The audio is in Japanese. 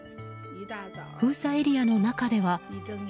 封鎖エリアの中では。